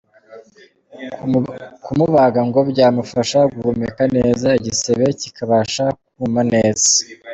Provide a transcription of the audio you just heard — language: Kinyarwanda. Kumubaga ngo byamufasha guhumeka neza, igisebe kikabasha kuma neza.